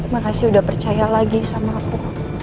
makasih udah percaya lagi sama aku